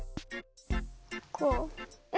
こう？